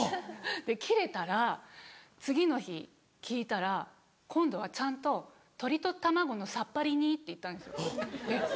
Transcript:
キレたら次の日聞いたら今度はちゃんと「鶏と卵のさっぱり煮」って言ったんですよ。